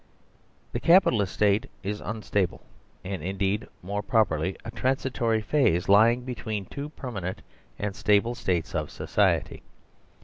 The Capitalist State is unstable, and indeed more properly a transitory phase lying between two per manent and stable states of society.